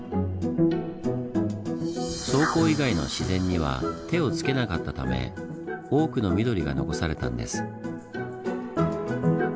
倉庫以外の自然には手を付けなかったため多くの緑が残されたんです。